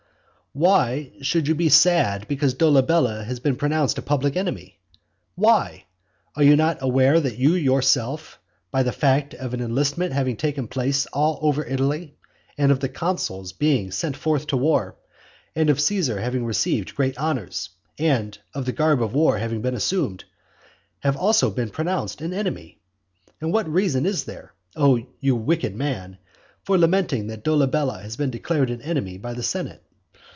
Why should you be sad because Dolabella has been pronounced a public enemy? Why? Are you not aware that you yourself by the fact of an enlistment having taken place all over Italy, and of the consuls being sent forth to war, and of Caesar having received great honours, and of the garb of war having been assumed have also been pronounced an enemy? And what reason is there, O you wicked man, for lamenting that Dolabella has been declared an enemy by the senate?